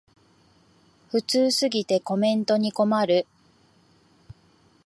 普通すぎてコメントに困る